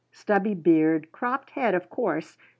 Stubby beard. Cropped head, of course.